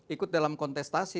ikut dalam kontestasi